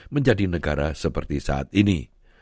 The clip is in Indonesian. menjadi negara seperti saat ini